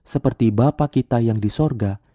seperti bapak kita yang di sorga